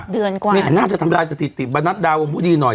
เดือนกว่าน่าจะทำได้สถิติมานัดดาวงค์ผู้ดีหน่อย